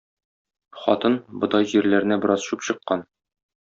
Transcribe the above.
Хатын, бодай җирләренә бераз чүп чыккан.